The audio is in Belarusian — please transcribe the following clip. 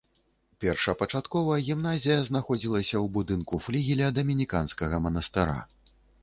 Першапачаткова гімназія знаходзілася ў будынку флігеля дамініканскага манастыра.